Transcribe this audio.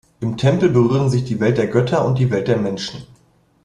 Im Tempel berühren sich die Welt der Götter und die Welt der Menschen.